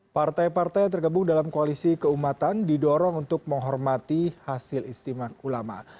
partai partai tergebung dalam koalisi keumatan didorong untuk menghormati hasil istimak ulama